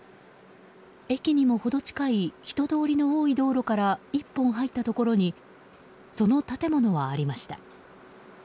駅にも程近い人通りの多い道路から１本入ったところにその建物はありました。